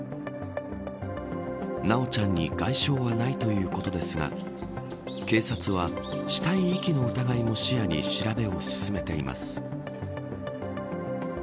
修ちゃんに外傷はないということですが警察は、死体遺棄の疑いも視野に調べを進めています。